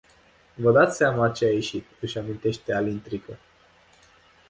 Vă dați seama ce a ieșit, își amintește Alin Trică.